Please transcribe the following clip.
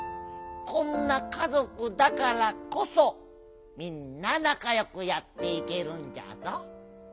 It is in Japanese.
こんなかぞくだからこそみんななかよくやっていけるんじゃぞ。